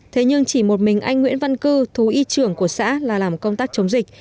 thế nhưng chỉ một mình anh nguyễn văn cư thú y trưởng của xã là làm công tác chống dịch